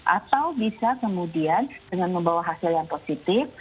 atau bisa kemudian dengan membawa hasil yang positif